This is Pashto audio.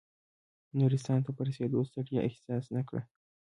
نورستان ته په رسېدو ستړیا احساس نه کړه.